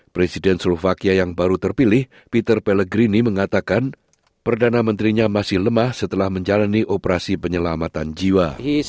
presiden slovakia yang baru terpilih peter pelegrini mengatakan perdana menterinya masih lemah setelah menjalani operasi penyelamatan jiwa